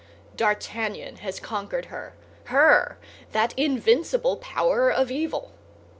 D'Artagnan has conquered her—her, that invincible power of evil.